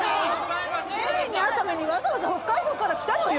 ケビンに会うためにわざわざ北海道から来たのよ！